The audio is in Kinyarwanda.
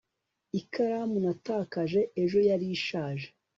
ikaramu natakaje ejo yari ishaje